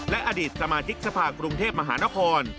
และอดีตสมาชิกสภากรุงเทพมหานคร